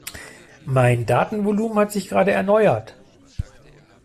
Mein Datenvolumen hat sich grade erneuert.